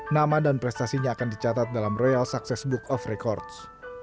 nama dan prestasinya akan dicatat dalam royal success book of records